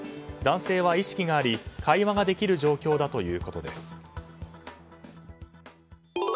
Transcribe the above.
男性は意識があり会話ができる状況だということです。